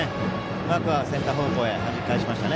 うまくセンター方向へはじき返しましたね。